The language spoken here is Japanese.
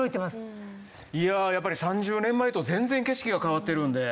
いやあやっぱり３０年前と全然景色が変わってるんで。